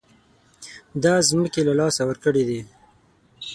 دا ځمکې له لاسه ورکړې دي.